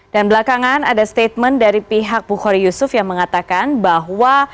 dan belakangan ada statement dari pihak bukhari yusuf yang mengatakan bahwa